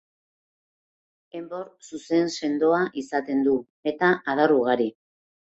Enbor zuzen sendoa izaten du eta adar ugari.